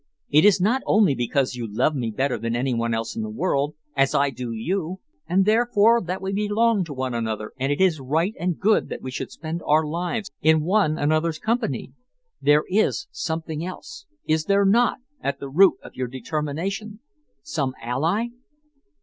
It is not only because you love me better than any one else in the world, as I do you, and therefore that we belong to one another and it is right and good that we should spend our lives in one another's company? There is something else, is there not, at the root of your determination? Some ally?"